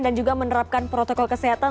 dan juga menerapkan protokol kesehatan